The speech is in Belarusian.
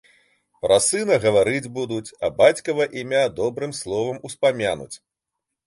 Пра сына гаварыць будуць, а бацькава імя добрым словам успамянуць.